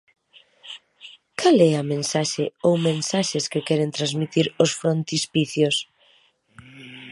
Cal é a mensaxe ou mensaxes que queren transmitir os frontispicios?